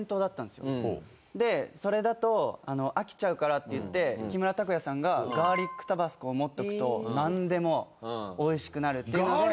それだと飽きちゃうからっていって木村拓哉さんがガーリックタバスコを持っておくとなんでも美味しくなるっていうので。